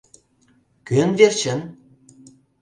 Кӧн верчын?